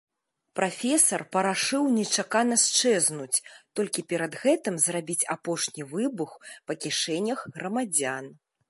Прафесар парашыў нечакана счэзнуць, толькі перад гэтым зрабіць апошні выбух па кішэнях грамадзян.